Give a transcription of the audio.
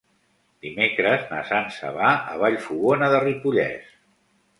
Dimecres na Sança va a Vallfogona de Ripollès.